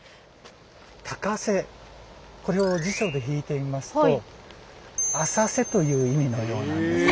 高瀬これを辞書で引いてみますと浅瀬という意味のようなんですよ。